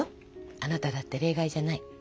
あなただって例外じゃない。